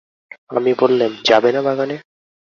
আমি বললেম, যাবে না বাগানে?